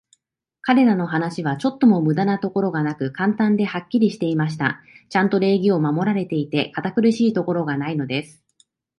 彼等の話は、ちょっとも無駄なところがなく、簡単で、はっきりしていました。ちゃんと礼儀は守られていて、堅苦しいところがないのです。